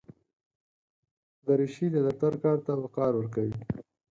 دریشي د دفتر کار ته وقار ورکوي.